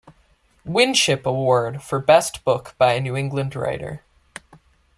Winship award for best book by a New England writer.